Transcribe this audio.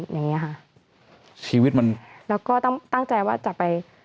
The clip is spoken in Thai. อย่างเงี้ยค่ะชีวิตมันแล้วก็ต้องตั้งใจว่าจะไป